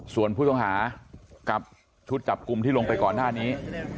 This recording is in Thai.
ส่วนผู้ต้องหากับชุดจับกลุ่มที่ลงไปก่อนหน้านี้